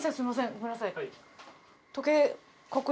ごめんなさい。